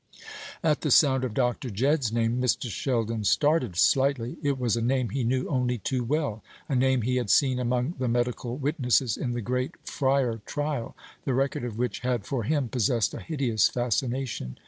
At the sound of Dr. Jedd's name Mr. Sheldon started slightly. It was a name he knew only too well a name he had seen among the medical witnesses in the great Fryar trial, the record of which had for him possessed a hideous fascination.